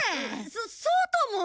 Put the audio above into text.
そそうとも！